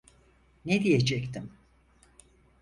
Ne diyecektim?